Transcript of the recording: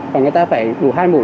và người ta phải đủ hai mũi